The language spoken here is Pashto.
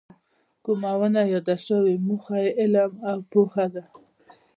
کومه ونه یاده شوې موخه یې علم او پوهه ده.